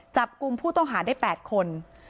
จับกลุ่มผู้ต้องหาได้๘คน